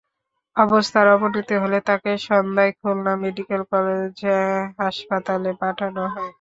অবস্থার অবনতি হলে তাঁকে সন্ধ্যায় খুলনা মেডিকেল কলেজ হাসপাতালে পাঠানো হয়।